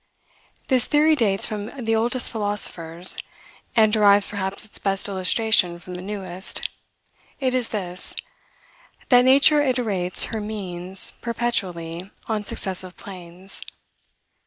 This theory dates from the oldest philosophers, and derives perhaps its best illustration from the newest. It is this: that nature iterates her means perpetually on successive planes.